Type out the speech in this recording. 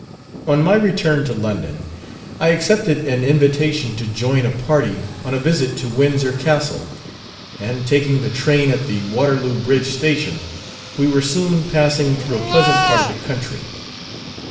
On my return to London I accepted an invitation to join a party on a visit to Windsor Castle; and taking the train at the Waterloo Bridge Station, we were soon passing through a pleasant part of the country.